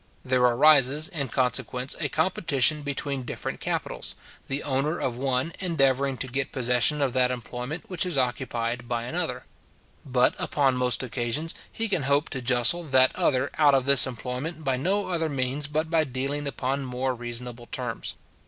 There arises, in consequence, a competition between different capitals, the owner of one endeavouring to get possession of that employment which is occupied by another; but, upon most occasions, he can hope to justle that other out of this employment by no other means but by dealing upon more reasonable terms.